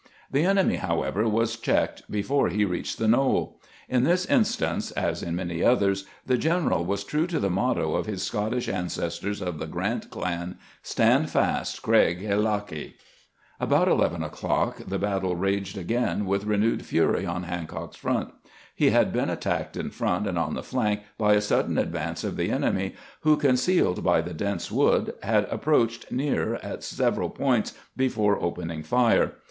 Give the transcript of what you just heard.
The enemy, however, was checked before he reached the knoll. In this instance, as in many others, the gen 60 CAMPAIGNING WITH GRANT eral was true to the motto of his Scottish ancestors of the Grant clan :" Stand fast, Craig EUachie." About eleven o'clock the battle raged again with re newed fury on Hancock's front. He had been attacked in front and on the flank by a sudden advance of the enemy, who, concealed by the dense wood, had ap proached near at several points before opening fire.